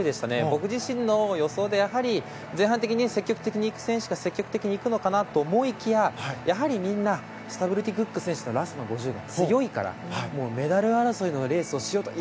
僕自身の予想でやはり、前半積極的にいく選手が積極的にいくのかなと思いきやスタブルティ・クック選手のラストの５０ｍが強いからメダル争いのレースをしようと。